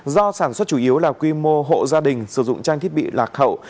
do sản xuất chủ yếu là quy mô hộ gia đình sử dụng trang thiết bị lạc hậu